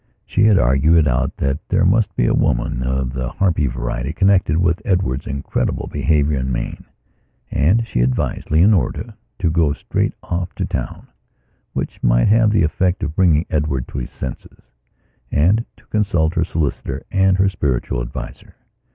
She had argued it out that there must be a woman of the harpy variety connected with Edward's incredible behaviour and mien; and she advised Leonora to go straight off to Townwhich might have the effect of bringing Edward to his sensesand to consult her solicitor and her spiritual adviser.